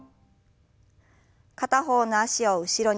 片方の脚を後ろに。